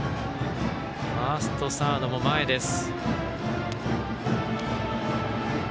ファースト、サードも前です。